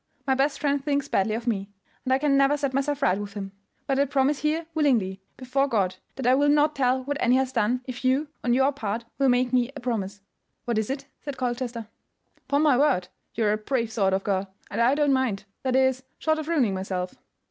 My best friend thinks badly of me, and I can never set myself right with him. But I promise here willingly, before God, that I will not tell what Annie has done, if you, on your part, will make me a promise." "What is it?" said Colchester. "'Pon my word! you're a brave sort of girl, and I don't mind—that is, short of ruining myself."